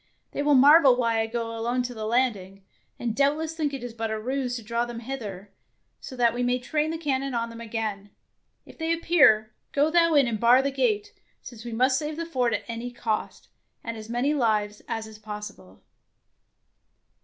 They will marvel why I go alone to the landing, and doubtless think it but a ruse to draw them hither, so that we may train the cannon on them again. If they appear, go thou in and bar the gate, since we must save the fort at any cost, and as many lives as is possible."